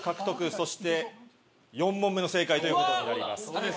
そして４問目の正解ということになります。